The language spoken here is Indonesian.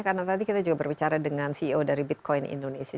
karena tadi kita juga berbicara dengan ceo dari bitcoin indonesia